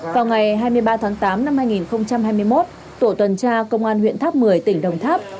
vào ngày hai mươi ba tháng tám năm hai nghìn hai mươi một tổ tuần tra công an huyện tháp một mươi tỉnh đồng tháp